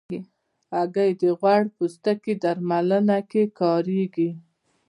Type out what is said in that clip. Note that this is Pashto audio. هګۍ د غوړ پوستکي درملنه کې کارېږي.